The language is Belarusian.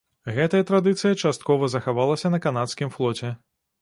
Гэтая традыцыя часткова захавалася на канадскім флоце.